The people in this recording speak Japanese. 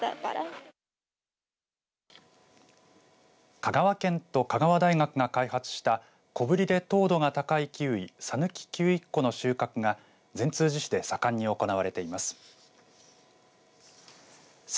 香川県と香川大学が開発した小ぶりで糖度が高いキウイさぬきキウイっこの収穫が善通寺市で盛んに行われています。